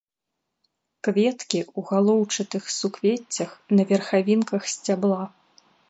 Кветкі ў галоўчатых суквеццях на верхавінках сцябла.